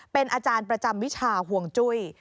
เป็นอาจารย์ประจำวิชาห่วงจุ้ย